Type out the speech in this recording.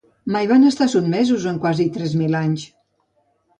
Mai van estar sotmesos en quasi tres mil anys.